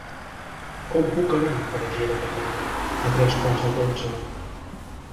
Com puc anar a Granera demà a tres quarts de dotze?